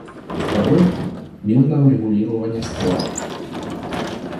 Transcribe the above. Второй — мирное урегулирование споров.